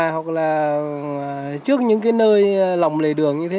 hoặc là trước những cái nơi lòng lề đường như thế